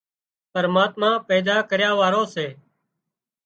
پرماتما پيدا ڪريا واۯو سي